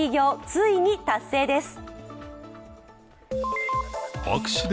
ついに達成です。